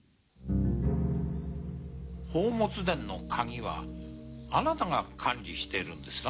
宝物殿の鍵はあなたが管理してるんですな？